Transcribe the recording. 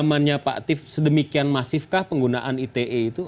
hanya pak atif sedemikian masifkah penggunaan ite itu